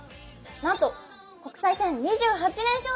なんと国際戦２８連勝中！